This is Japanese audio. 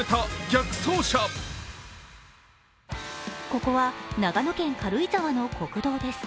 ここは長野県軽井沢の国道です。